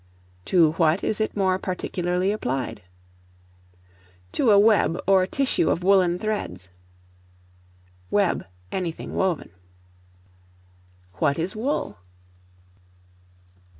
To what is it more particularly applied? To a web or tissue of woollen threads. Web, any thing woven. What is Wool?